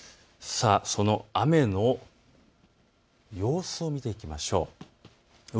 雨の様子を見ていきましょう。